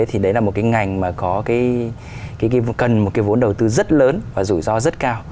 thì đấy là một cái ngành mà có cái cần một cái vốn đầu tư rất lớn và rủi ro rất cao